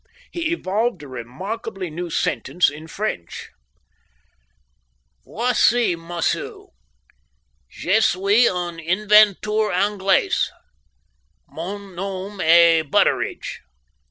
He evolved a remarkable new sentence in French. "Voici, Mossoo! Je suis un inventeur Anglais. Mon nom est Butteridge.